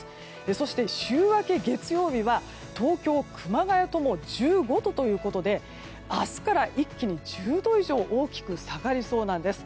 そして週明け月曜日は東京、熊谷とも１５度ということで明日から一気に１０度以上大きく下がりそうなんです。